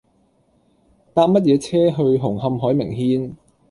搭乜嘢車去紅磡海名軒